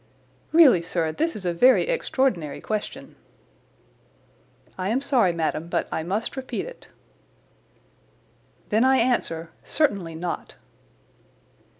"Really, sir, this is a very extraordinary question." "I am sorry, madam, but I must repeat it." "Then I answer, certainly not."